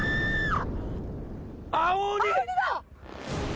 青鬼？